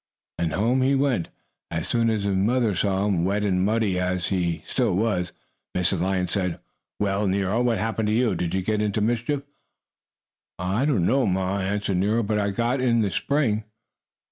And home he went. As soon as his mother saw him, wet and muddy as he still was, Mrs. Lion said: "Well, Nero, what happened to you? Did you get into mischief?" "I don't know, Ma," answered Nero. "But I got in the spring!"